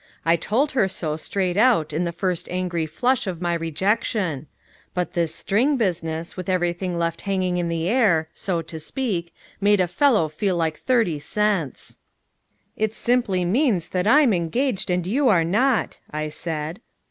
I told her so straight out in the first angry flush of my rejection but this string business, with everything left hanging in the air, so to speak, made a fellow feel like thirty cents. "It simply means that I'm engaged and you are not," I said.